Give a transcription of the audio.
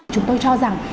chúng tôi cho rằng